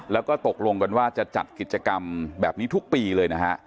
แล้วก็ตกลงกันว่าจะจัดกิจกรรมแบบนี้ทุกปีเลยนะฮะ